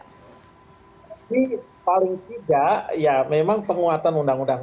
jadi paling tidak ya memang penguatan undang undang